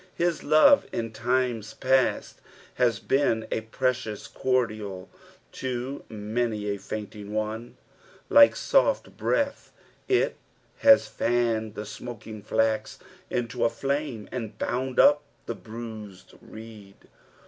''His love in times past" has been a precious cordial to many a fainting one ; like soft breath it has fanned the smoking flax into a flume, and boand up the bruised reed.